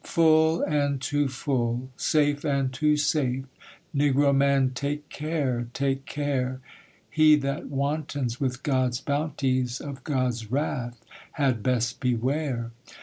'Full, and too full; safe, and too safe; Negro man, take care, take care. He that wantons with God's bounties Of God's wrath had best beware.